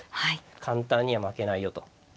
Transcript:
簡単には負けないよと。